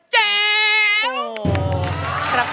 สวัสดีครับ